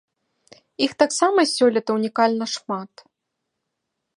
Іх таксама сёлета унікальна шмат.